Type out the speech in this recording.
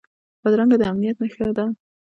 بدرګه د امنیت نښه ده